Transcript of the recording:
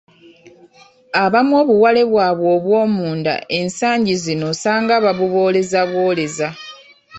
Abamu obuwale bwabwe obw'omunda ensangi zino osanga babubooleza bwoleza.